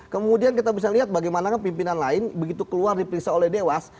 kemudian kita bisa lihat bagaimana pimpinan lain begitu keluar diperiksa oleh dewas